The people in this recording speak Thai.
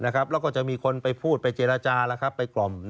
แล้วก็จะมีคนไปพูดไปเจรจาไปกล่อม